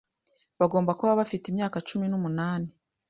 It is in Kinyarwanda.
Bagomba kuba bafite imyaka cumi numunani